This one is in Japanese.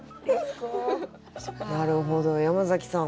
なるほど山崎さん